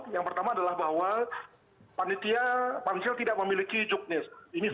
yang pertama adalah bahwa panitia pansel tidak memiliki juknis